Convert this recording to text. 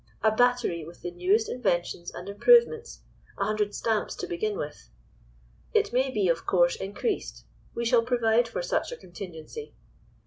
A battery with the newest inventions and improvements—a hundred stamps to begin with. It may be, of course, increased; we shall provide for such a contingency.